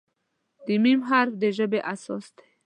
د "م" حرف د ژبې اساس دی.